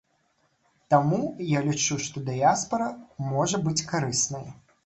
Таму я лічу, што дыяспара можа быць карыснай.